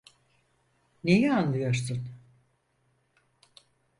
Neyi anlıyorsun?